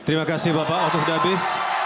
terima kasih bapak waktu sudah habis